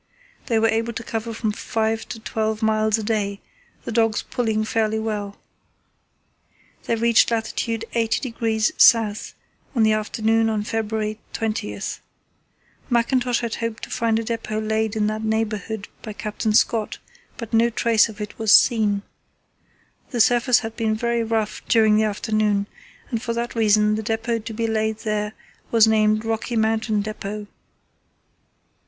They were able to cover from five to twelve miles a day, the dogs pulling fairly well. They reached lat. 80° S. on the afternoon of February 20. Mackintosh had hoped to find a depot laid in that neighbourhood by Captain Scott, but no trace of it was seen. The surface had been very rough during the afternoon, and for that reason the depot to be laid there was named Rocky Mountain Depot.